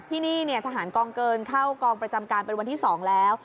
ที่นี่ทหารกองเกินเข้ากองประจำการเป็นวันที่๒แล้ว